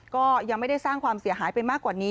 ก็ยังไม่ได้สร้างความเสียหายไปมากกว่านี้